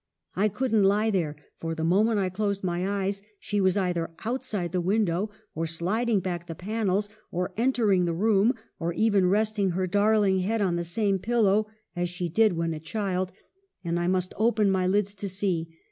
I couldn't lie there ; for the moment I closed my eyes, she was either outside the win dow, or sliding back the panels, or entering the room, or even resting her darling head on the same pillow, as she did when a child ; and I must ' WUTHERING HEIGHTS: 263 open my lids to see.